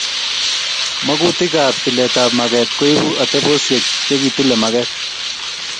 Magutikab tiletab maget koibu atebosiek che kitile maget